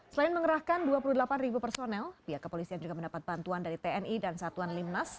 selain mengerahkan dua puluh delapan personel pihak kepolisian juga mendapat bantuan dari tni dan satuan limnas